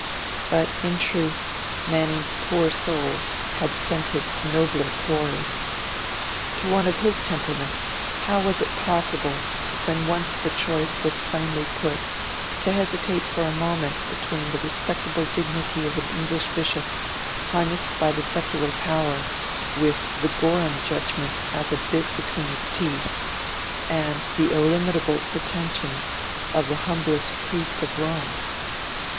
But, in truth, Manning's 'poor soul' had scented nobler quarry. To one of his temperament, how was it possible, when once the choice was plainly put, to hesitate for a moment between the respectable dignity of an English bishop, harnessed by the secular power, with the Gorham judgment as a bit between his teeth, and the illimitable pretensions of the humblest priest of Rome?